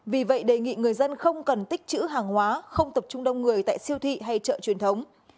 vì vậy đề nghị người dân không cần tích chữ hàng hóa không tập trung đông người tại siêu thị hay chợ truyền thống